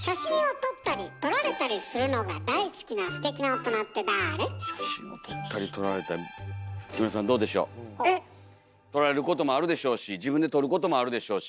⁉撮られることもあるでしょうし自分で撮ることもあるでしょうし。